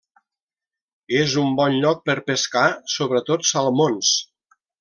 És un bon lloc per pescar sobretot salmons.